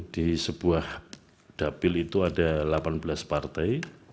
di sebuah dapil itu ada delapan belas partai